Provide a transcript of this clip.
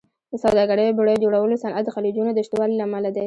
د سوداګرۍ او بېړیو جوړولو صنعت د خلیجونو د شتوالي امله دی.